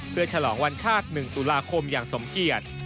เพื่อฉลองวันชาติ๑ตุลาคมอย่างสมเกียจ